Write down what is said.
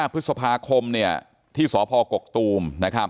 พฤษภาคมที่สพกกตูม